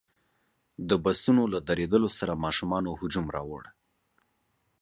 د بسونو له درېدلو سره ماشومانو هجوم راوړ.